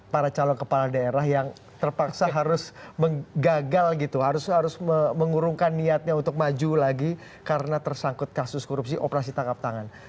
para calon kepala daerah yang terpaksa harus gagal gitu harus mengurungkan niatnya untuk maju lagi karena tersangkut kasus korupsi operasi tangkap tangan